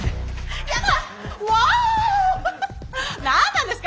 わあ何なんですか！